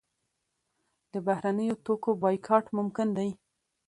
د بهرنیو توکو بایکاټ ممکن دی؟